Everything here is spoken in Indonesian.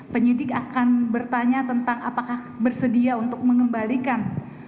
penyidik akan bertanya tentang apakah bersedia untuk mengembalikan